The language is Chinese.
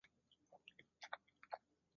塞费塔尔是德国下萨克森州的一个市镇。